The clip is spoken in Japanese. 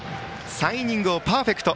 ３イニングをパーフェクト。